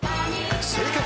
正解。